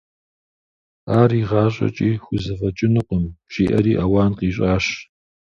Ар игъащӏэкӏи хузэфӏэкӏынукъым, – жиӏэри ауан къищӏащ.